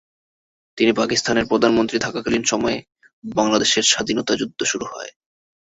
তিনি পাকিস্তানের প্রধানমন্ত্রী থাকাকালীন সময়ে বাংলাদেশের স্বাধীনতা যুদ্ধ শুরু হয়।